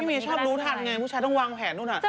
พี่มีชอบรู้ทันไงผู้ชายต้องวางแผ่นนู้นอะ